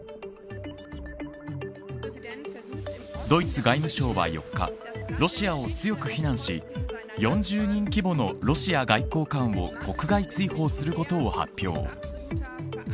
ドイツ外務省は４日ロシアを強く非難し４０人規模のロシア外交官を国外追放することを発表。